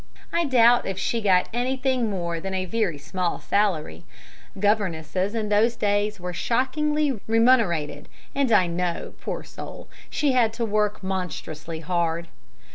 I doubt if she got anything more than a very small salary governesses in those days were shockingly remunerated and I know, poor soul, she had to work monstrously hard.